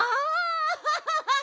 アハハハハ！